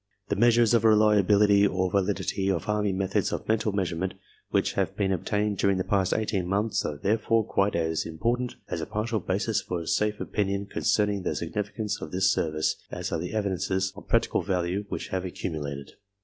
The measures of reliability or validity of army methods of mental measurement which have been obtained during the past eighteen months are there fore quite as important as a partial basis for safe opinion con cerning the significance of this service as are the evidences of practical value which have accumulated.